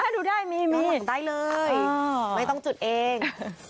ย้อนหลังได้เลยไม่ต้องจุดเอง